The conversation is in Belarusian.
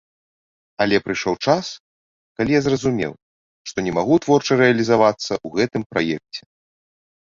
Але прыйшоў час, калі я зразумеў, што не магу творча рэалізавацца ў гэтым праекце.